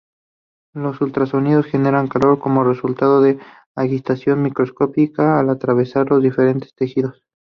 Los ultrasonidos generan calor como resultado de agitación microscópica al atravesar los diferentes tejidos.